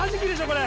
これ。